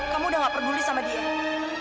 kamu udah gak peduli sama dia